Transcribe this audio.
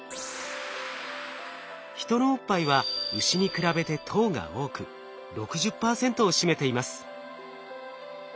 ヒトのおっぱいはウシに比べて糖が多く６０％を占めています。